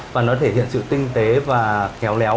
và nó thể hiện sự tinh tế và khéo léo